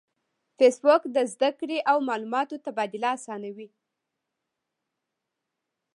فېسبوک د زده کړې او معلوماتو تبادله آسانوي